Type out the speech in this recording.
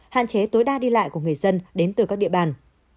hạn chế tối đa đi lại của người dân đến từ các địa bàn